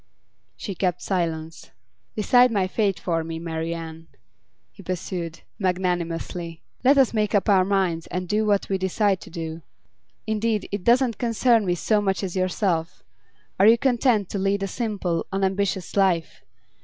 She kept silence. 'Decide my fate for me, Marian,' he pursued, magnanimously. 'Let us make up our minds and do what we decide to do. Indeed, it doesn't concern me so much as yourself. Are you content to lead a simple, unambitious life?